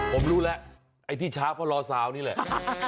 ผมรู้แล้วไอ้ที่ช้าเพราะรอสาวนี่แหละ